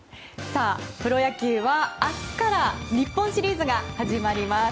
さあ、プロ野球は明日から日本シリーズが始まります。